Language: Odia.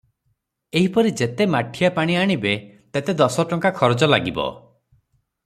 ଏହିପରି ଯେତେ ମାଠିଆ ପାଣି ଆଣିବେ, ତେତେ ଦଶ ଟଙ୍କା ଖରଚ ଲାଗିବ ।